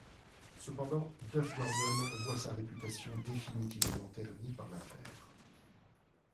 Cependant, Duff Gordon voit sa réputation définitivement ternie par l'affaire.